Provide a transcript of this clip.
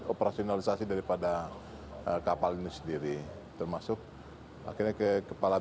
oke jadi sempat pecahin kaca